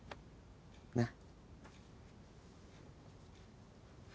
なっ？